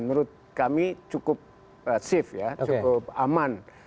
menurut kami cukup aman